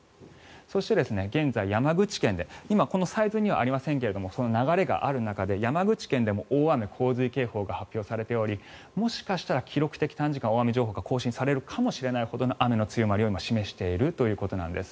そして、現在、山口県でここにはありませんが流れがある中で山口県でも大雨・洪水警報が発表されておりもしかしたら記録的短時間大雨情報が更新されるかもしれないほどの雨の強まりを今、示しているということなんです。